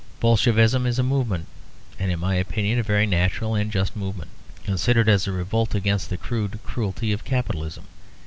Bolshevism is a movement; and in my opinion a very natural and just movement considered as a revolt against the crude cruelty of Capitalism.